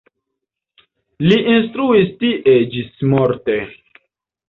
Li instruis tie ĝismorte.